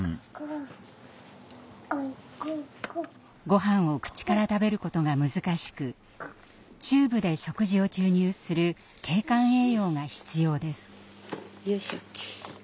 ごはんを口から食べることが難しくチューブで食事を注入する経管栄養が必要です。